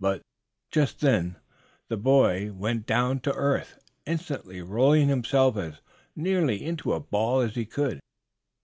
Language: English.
But just then the boy went down to earth, instantly rolling himself as nearly into a ball as he could.